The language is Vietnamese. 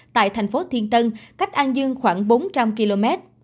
tại thành phố thiên tân cách an dương khoảng bốn trăm linh km